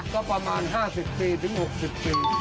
ก็ประมาณ๕๐ปีถึง๖๐ปี